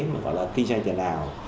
mà gọi là kinh doanh tiền ảo